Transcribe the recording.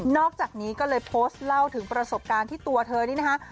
อกจากนี้ก็เลยโพสต์เล่าถึงประสบการณ์ที่ตัวเธอนี่นะคะ